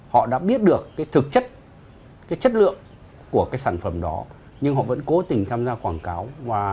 họ đã biết được thực chất chất lượng của sản phẩm đó nhưng họ vẫn cố tình tham gia quảng cáo